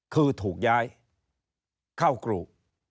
คือถูกย้ายเข้ากรุ